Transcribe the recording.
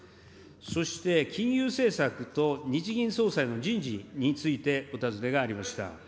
そして金融政策と日銀総裁の人事についてお尋ねがありました。